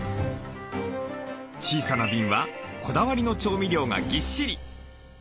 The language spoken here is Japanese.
小さな瓶はこだわりの調味料がぎっしり。